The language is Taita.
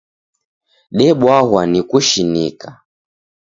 Debwaghwa ni kushinika!